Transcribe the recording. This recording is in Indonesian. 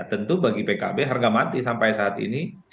tentu bagi pkb harga mati sampai saat ini